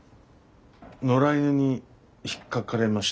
野良犬にひっかかれまして。